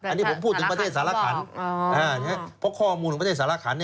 อันนี้ผมพูดถึงประเทศสารขันเพราะข้อมูลของประเทศสารขัน